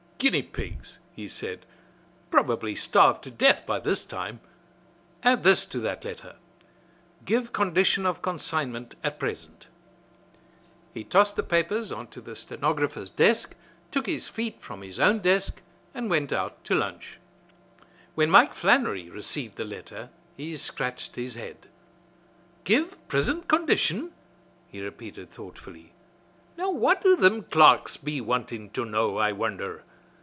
"Huh! guinea pigs!" he said. "Probably starved to death by this time! Add this to that letter: 'Give condition of consignment at present.'" He tossed the papers on to the stenographer's desk, took his feet from his own desk and went out to lunch. When Mike Flannery received the letter he scratched his head. "Give prisint condition," he repeated thoughtfully. "Now what do thim clerks be wantin' to know, I wonder!